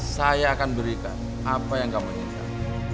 saya akan berikan apa yang kamu inginkan